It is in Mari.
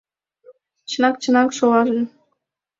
— Чынак, чынак, шолаже.